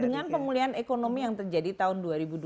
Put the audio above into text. dengan pemulihan ekonomi yang terjadi tahun